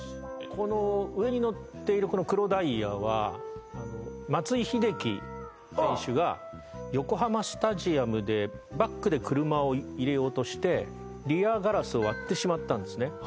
この上にのっている黒ダイヤは松井秀喜選手が横浜スタジアムでバックで車を入れようとしてリアガラスを割ってしまったんですね